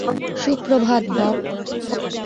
Suprabhat, Bob.